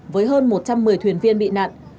với hơn một trăm một mươi thuyền viên bị nạn